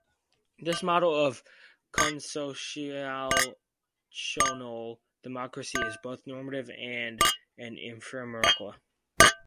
This model of Consociational democracy is both, normative and an empirical.